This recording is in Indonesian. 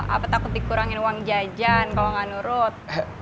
apa takut dikurangin uang jajan kalau nggak nurut